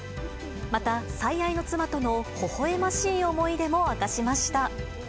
また、最愛の妻とのほほえましい思い出も明かしました。